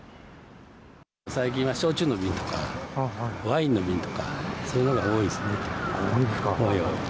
最近は焼酎の瓶とか、ワインの瓶とか、そういうのが多いですね。